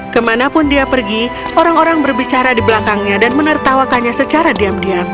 kemanapun dia pergi orang orang berbicara di belakangnya dan menertawakannya secara diam diam